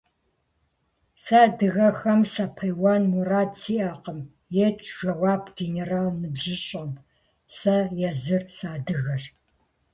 Сэ адыгэхэм сапеуэн мурад сиӀакъым, – ет жэуап генерал ныбжьыщӀэм. – Сэ езыр сыадыгэщ.